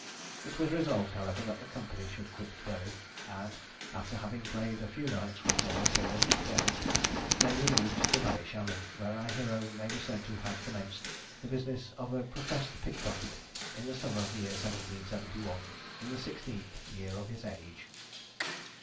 It was resolved, however, that the company should quit Derry, and after having played a few nights with more applause than profit, they removed to Ballyshannon, where our hero may be said to have commenced the business of a professed pickpocket in the summer of the year 1771, in the 16th year of his age.